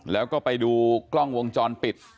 แล้วก็ไปดูกล้องวงจรปิด